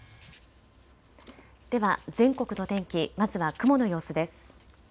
では全国の天気、まずは雲の様子です。